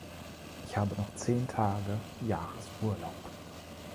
In habe noch zehn Tage Jahresurlaub.